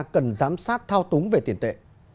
cần giám sát thao túng về tiền tệ